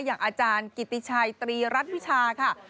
อย่างอาจารย์กิติชัยตรีรัฐวิชาค่ะ